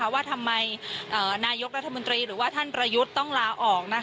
ว่าทำไมนายกรัฐมนตรีหรือว่าท่านประยุทธ์ต้องลาออก